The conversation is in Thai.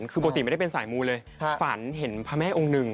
คือปกติไม่ได้เป็นสายมูลเลยฝันเห็นพระแม่องค์หนึ่ง